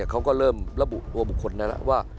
เขาก็เริ่มระบุตัวบุคคลได้แล้วว่า